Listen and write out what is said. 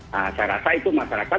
saya rasa itu masyarakat